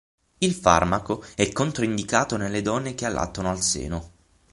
Il farmaco è controindicato nelle donne che allattano al seno.